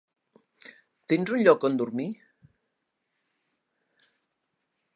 Tens un lloc on dormir?